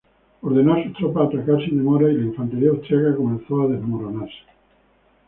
Ordenó a sus tropas atacar sin demora y la infantería austriaca comenzó a desmoronarse.